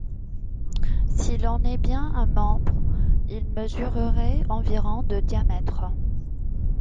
S'il en est bien un membre, il mesurerait environ de diamètre.